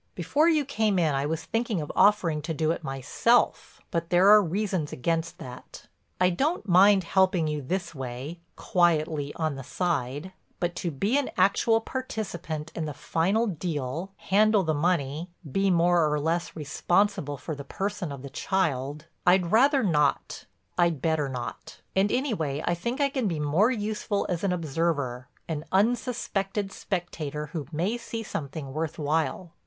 Before you came in I was thinking of offering to do it myself. But there are reasons against that. I don't mind helping you this way—quietly, on the side—but to be an actual participant in the final deal, handle the money, be more or less responsible for the person of the child—I'd rather not—I'd better not. And anyway I think I can be more useful as an observer, an unsuspected spectator who may see something worth while."